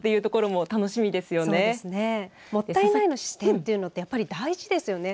もったいないの視点は、やっぱり大事ですよね。